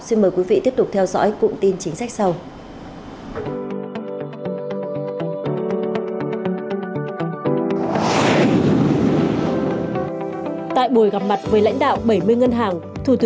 xin mời quý vị tiếp tục theo dõi cụm tin chính sách sau